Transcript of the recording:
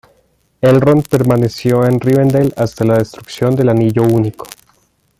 Elrond permaneció en Rivendel hasta la destrucción del Anillo Único.